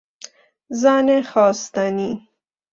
زن خواستنی